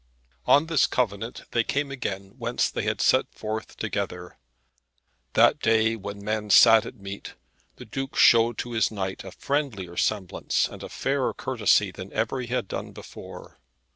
On this covenant they came again whence they had set forth together. That day, when men sat at meat, the Duke showed to his knight a friendlier semblance and a fairer courtesy than ever he had done before.